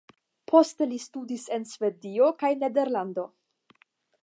Poste li studis en Svedio kaj Nederlando.